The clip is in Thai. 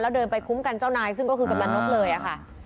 แล้วเดินไปคุ้มกันเจ้านายซึ่งก็คือกำนันนกเลยอะค่ะ